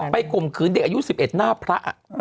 ข่มขืนเด็กอายุ๑๑หน้าพระ